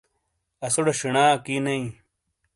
اسوڑے شینا اکی نہ ایں۔